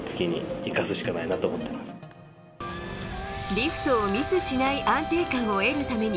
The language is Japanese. リフトをミスしない安定感を得るために